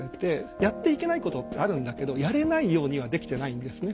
やっていけないことってあるんだけどやれないようにはできてないんですね